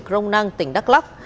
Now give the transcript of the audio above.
crong nang tỉnh đắk lắc